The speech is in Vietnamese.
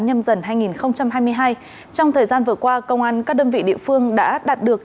nhâm dần hai nghìn hai mươi hai trong thời gian vừa qua công an các đơn vị địa phương đã đạt được